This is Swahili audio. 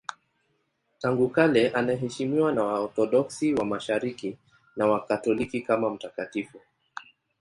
Tangu kale anaheshimiwa na Waorthodoksi wa Mashariki na Wakatoliki kama mtakatifu.